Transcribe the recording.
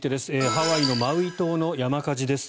ハワイのマウイ島の山火事です。